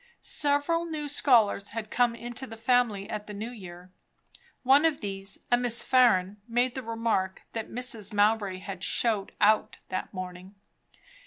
Several new scholars had come into the family at the New Year. One of these, a Miss Farren, made the remark that Mrs. Mowbray had "showed out" that morning.